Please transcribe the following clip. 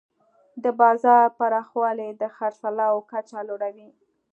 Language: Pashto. د بازار پراخوالی د خرڅلاو کچه لوړوي.